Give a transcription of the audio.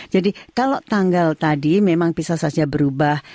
jadi kalau tanggal tadi memang bisa saja berubah